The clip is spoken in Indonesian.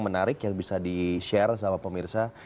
menarik yang bisa di share sama pemirsa